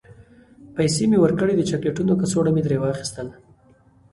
پیسې مې ورکړې، د چاکلیټو کڅوڼه مې ترې واخیستل.